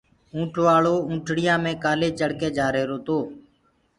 اونٺ وآݪواونٺڻييآ مي ڪآلي چڙه ڪي جآ ريهرو تو